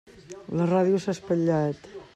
La ràdio s'ha espatllat.